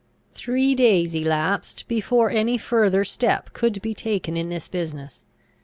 Three days elapsed before any further step could be taken in this business.